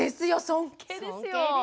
尊敬ですよ。